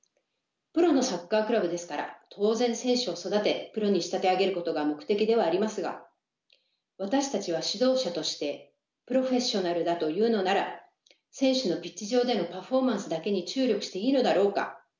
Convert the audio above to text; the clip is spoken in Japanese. プロのサッカークラブですから当然選手を育てプロに仕立て上げることが目的ではありますが私たちは指導者としてプロフェッショナルだというのなら選手のピッチ上でのパフォーマンスだけに注力していいのだろうか？